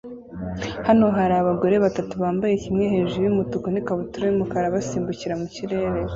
Hano hari abagore batatu bambaye kimwe hejuru yumutuku na ikabutura yumukara basimbukira mu kirere